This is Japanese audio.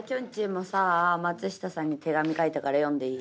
もさ松下さんに手紙書いたから読んでいい？